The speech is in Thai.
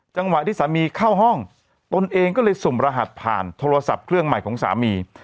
จังหวะที่สามีเข้าห้องตนเองก็เลยสุ่มรหัสผ่านโทรศัพท์เครื่องใหม่ของสามี